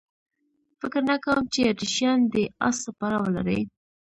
فکر نه کوم چې اتریشیان دې اس سپاره ولري.